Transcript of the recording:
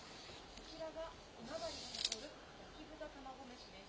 こちらが今治が誇る、焼豚玉子飯です。